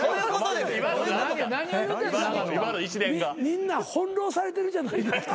みんな翻弄されてるじゃないですか。